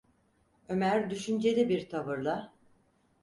Ömer düşünceli bir tavırla: